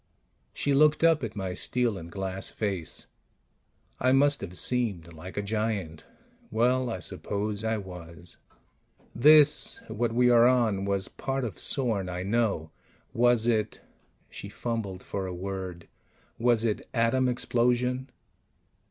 She looked up at my steel and glass face; I must have seemed like a giant. Well, I suppose I was. "This what we are on was part of Sorn, I know. Was it " She fumbled for a word "was it atom explosion?"